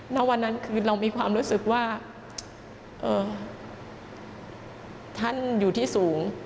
ณวันนั้นคือเรามีความรู้สึกว่าท่านอยู่ที่สูง